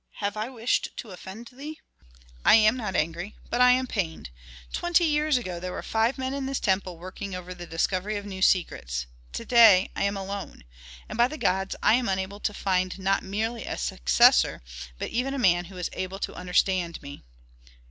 Have I wished to offend thee?" "I am not angry, but I am pained. Twenty years ago there were five men in this temple working over the discovery of new secrets. To day I am alone. And, by the gods, I am unable to find not merely a successor, but even a man who is able to understand me."